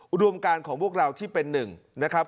อุดมการของพวกเราที่เป็นหนึ่งนะครับ